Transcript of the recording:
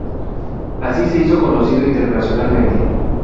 Así se hizo conocido internacionalmente.